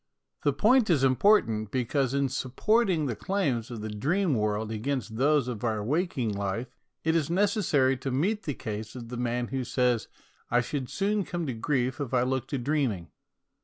The point is important, because in sup DREAMING AS AN ART 35 porting the claims of the dream world against those of our waking life it is neces sary to meet the case of the man who says :" I should soon come to grief if I took to dreaming."